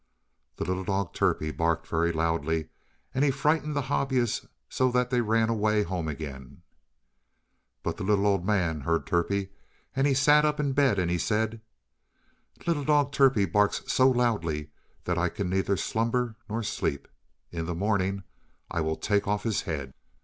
The little dog Turpie barked very loudly, and he frightened the Hobyahs so that they ran away home again. But the little old man heard Turpie, and he sat up in bed, and he said: "Little dog Turpie barks so loudly that I can neither slumber nor sleep. In the morning I will take off his head."